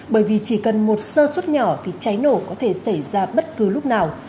bởi vì chỉ cần một sơ suất nhỏ thì cháy nổ có thể xảy ra bất cứ lúc nào